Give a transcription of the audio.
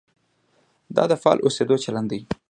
دا د فعال اوسېدو چلند دی.